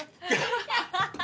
ハハハハッ！